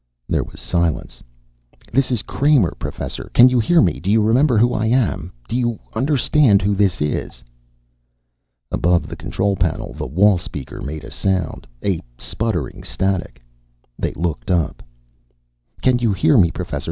There was silence. "This is Kramer, Professor. Can you hear me? Do you remember who I am? Do you understand who this is?" Above the control panel the wall speaker made a sound, a sputtering static. They looked up. "Can you hear me, Professor.